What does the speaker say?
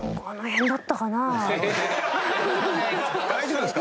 大丈夫ですか？